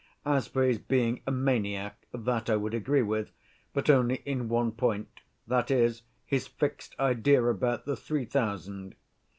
As for his being a maniac, that I would agree with, but only in one point, that is, his fixed idea about the three thousand.